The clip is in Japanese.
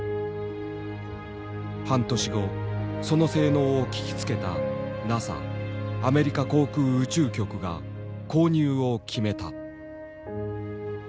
半年後その性能を聞きつけたＮＡＳＡアメリカ航空宇宙局が購入を決めた。